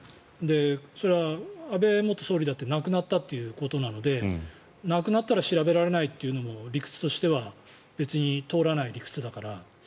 それは安倍元総理だって亡くなったということなので亡くなったら調べられないというのも理屈としては別に通らない理屈だから。